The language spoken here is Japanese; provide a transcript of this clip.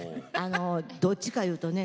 どっちかというとね